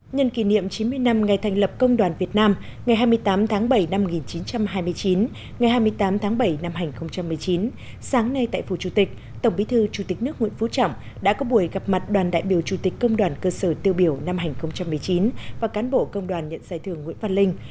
nhân kỷ niệm chín mươi năm ngày thành lập công đoàn việt nam ngày hai mươi tám tháng bảy năm một nghìn chín trăm hai mươi chín ngày hai mươi tám tháng bảy năm hai nghìn một mươi chín sáng nay tại phủ chủ tịch tổng bí thư chủ tịch nước nguyễn phú trọng đã có buổi gặp mặt đoàn đại biểu chủ tịch công đoàn cơ sở tiêu biểu năm hai nghìn một mươi chín và cán bộ công đoàn nhận giải thưởng nguyễn văn linh